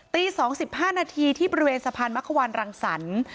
ตี๒๕นาทีที่บริเวณสะพานมะขวานรังสรรค์